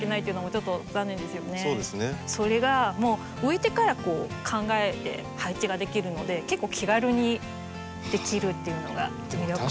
それが植えてから考えて配置ができるので結構気軽にできるっていうのが魅力です。